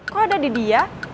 kok ada di dia